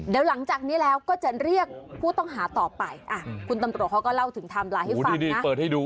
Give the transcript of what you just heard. เดี๋ยวหลังจากนี้แล้วก็จะเรียกผู้ต้องหาต่อไปคุณตำรวจเขาก็เล่าถึงไทม์ไลน์ให้ฟัง